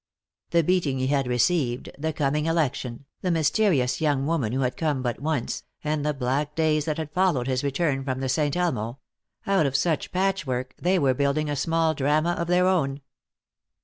The beating he had received, the coming election, the mysterious young woman who had come but once, and the black days that had followed his return from the St. Elmo out of such patchwork they were building a small drama of their own.